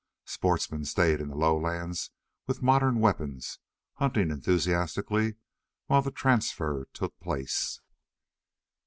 Sportsmen stayed in the lowlands with modern weapons, hunting enthusiastically, while the transfer took place.